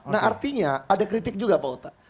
nah artinya ada kritik juga pak otak